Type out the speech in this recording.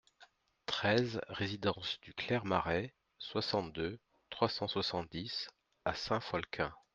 treize résidence du Clair Marais, soixante-deux, trois cent soixante-dix à Saint-Folquin